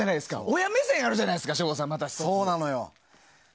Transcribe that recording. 親目線あるじゃないですか省吾さんは。